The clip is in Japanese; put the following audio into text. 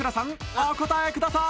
お答えください